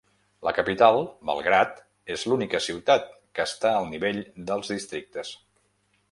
La capital, Belgrad, és l'única ciutat que està al nivell dels districtes.